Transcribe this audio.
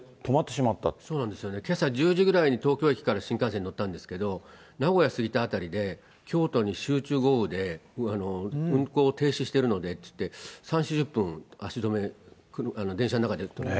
けさ１０時ぐらいに東京駅から新幹線に乗ったんですけれども、名古屋過ぎた辺りで、京都に集中豪雨で運行を停止してるのでっていって、３、４０分、足止め、電車の中で。